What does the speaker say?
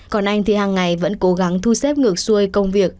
còn anh thì hàng ngày vẫn cố gắng thu xếp ngược xuôi công việc